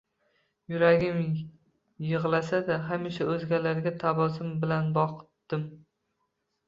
Yuragim yig`lasa-da, hamisha o`zgalarga tabassum bilan boqdim